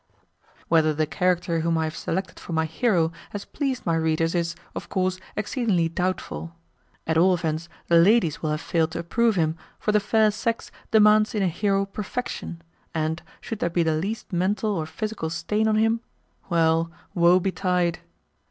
Whether the character whom I have selected for my hero has pleased my readers is, of course, exceedingly doubtful. At all events the ladies will have failed to approve him for the fair sex demands in a hero perfection, and, should there be the least mental or physical stain on him well, woe betide!